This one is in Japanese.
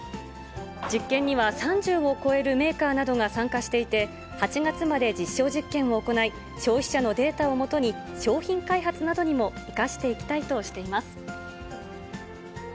実験には、３０を超えるメーカーなどが参加していて、８月まで実証実験を行い、消費者のデータを基に、商品開発などにも生かしていきたいとしています。